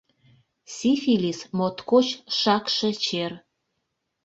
Сифилис моткоч шакше чер.